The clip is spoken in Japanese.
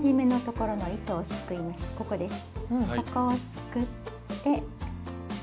ここをすくって。